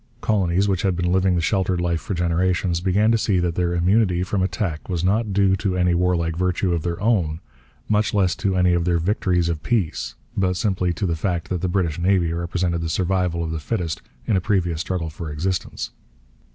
Colonies which had been living the sheltered life for generations began to see that their immunity from attack was not due to any warlike virtue of their own, much less to any of their 'victories of peace,' but simply to the fact that the British Navy represented the survival of the fittest in a previous struggle for existence.